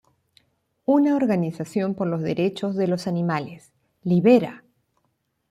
Una organización por los derechos de los animales, Libera!